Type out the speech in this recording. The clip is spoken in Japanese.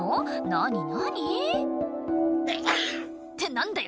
何何？って何だよ